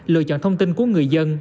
lựa chọn thông tin của người dân